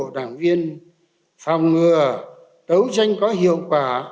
tấu tranh có hiệu quả